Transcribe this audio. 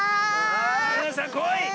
さあこい！